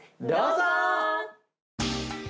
どうぞ！